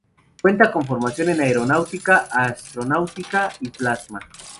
Cuenta con formación en Aeronáutica, Astronáutica y Plasma.